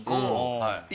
はい。